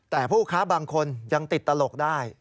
แต่ผู้ค้าบางคนยังติดตลกได้